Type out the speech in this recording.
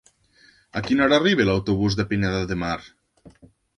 A quina hora arriba l'autobús de Pineda de Mar?